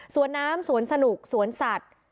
สวนน้ำสวนสนุกสวนสัตว์